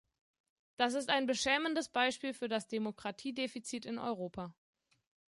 Das ist ein beschämendes Beispiel für das Demokratiedefizit in Europa.